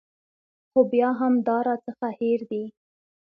خو بیا هم دا راڅخه هېر دي.